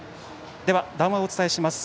談話をお伝えします。